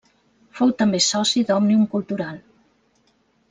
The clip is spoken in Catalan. Fou també soci d'Òmnium Cultural.